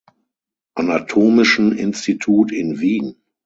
Anatomischen Institut in Wien.